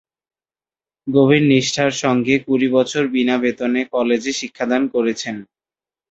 গভীর নিষ্ঠার সঙ্গে কুড়ি বছর বিনা বেতনে কলেজে শিক্ষাদান করেছেন।